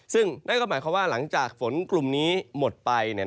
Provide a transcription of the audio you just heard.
ซึ่งนั่นก็หมายความว่าหลังจากฝนกลุ่มนี้หมดไปเนี่ย